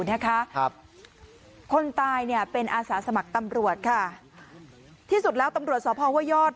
นะคะครับคนตายเนี่ยเป็นอาสาสมัครตำรวจค่ะที่สุดแล้วตำรวจสพห้วยยอด